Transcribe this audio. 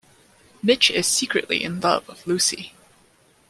Mitch is secretly in love with Lucy.